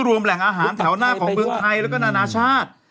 รวมแหล่งอาหารแถวหน้าของเมืองไทยแล้วก็นานาชาติ